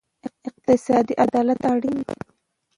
اقتصادي عدالت اړین دی.